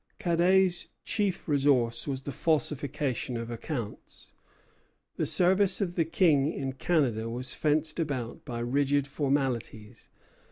Cadet's chief resource was the falsification of accounts. The service of the King in Canada was fenced about by rigid formalities.